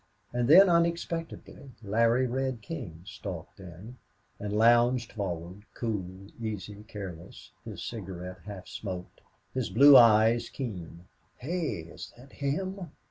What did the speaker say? And then, unexpectedly, Larry Red King stalked in and lounged forward, cool, easy, careless, his cigarette half smoked, his blue eyes keen. "Hey! is that him?"